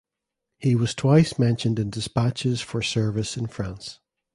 He was twice mentioned in despatches for service in France.